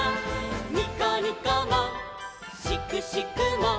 「にこにこもしくしくも」